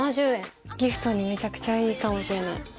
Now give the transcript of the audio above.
ギフトにめちゃくちゃいいかもしれない。